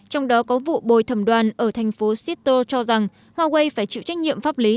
trong đó có vụ bồi thẩm đoàn ở thành phố seatter cho rằng huawei phải chịu trách nhiệm pháp lý